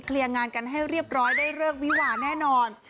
เคลียร์งานกันให้เรียบร้อยได้เริ่มวิวาแน่นอน